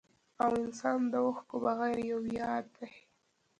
او انسان د اوښکو بغير يو ياد دی